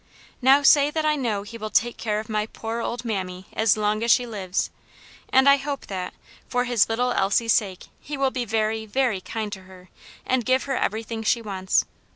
Now say that I know he will take care of my poor old mammy as long as she lives, and I hope that, for his little Elsie's sake, he will be very, very kind to her, and give her everything she wants.